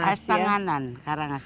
khas tenganan karangasem